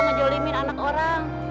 sumpah ngejolimin anak orang